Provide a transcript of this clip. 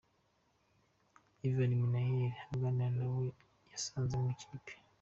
Ivan Minaert aganira n'abo yasanze mu ikipe.